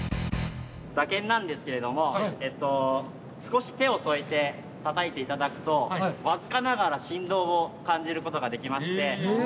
打検なんですけれども少し手を添えてたたいて頂くと僅かながら振動を感じることができまして。